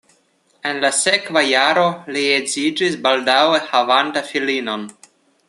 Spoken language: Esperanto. En la sekva jaro li edziĝis baldaŭe havanta filinon.